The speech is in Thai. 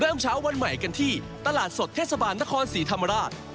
เช้าวันใหม่กันที่ตลาดสดเทศบาลนครศรีธรรมราช